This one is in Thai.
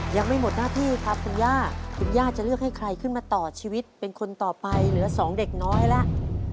ยังไม่หมดหน้าที่ครับคุณย่าคุณย่าจะเลือกให้ใครขึ้นมาต่อชีวิตเป็นคนต่อไปเหลือสองเด็กน้อยแล้ว